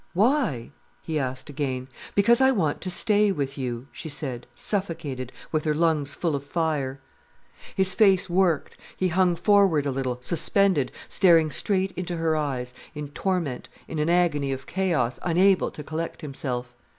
"Why?" he asked again. "Because I wanted to stay with you," she said, suffocated, with her lungs full of fire. His face worked, he hung forward a little, suspended, staring straight into her eyes, in torment, in an agony of chaos, unable to collect himself.